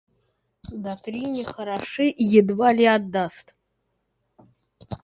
Да три не хороши, едва ли отдаст.